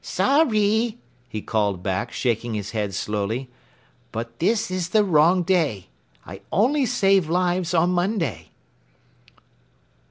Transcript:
"Sorry," he called back, shaking his head slowly, "but this is the wrong day. I only save lives on Monday."